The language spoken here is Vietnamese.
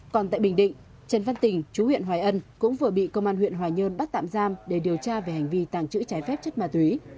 còn tại bình định trần văn tình chú huyện hoài ân cũng vừa bị công an huyện hoài nhơn bắt tạm giam để điều tra về hành vi tàng trữ trái phép chất ma túy